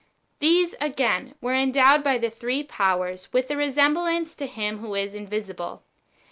These, again, were endowed by the three powers with a resemblance to Him who is invisible.